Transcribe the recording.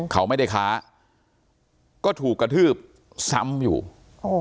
เขาไม่ได้ค้าก็ถูกกระทืบซ้ำอยู่โอ้